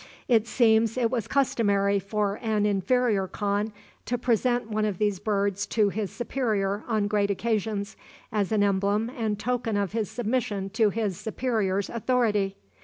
It seems it was customary for an inferior khan to present one of these birds to his superior on great occasions, as an emblem and token of his submission to his superior's authority.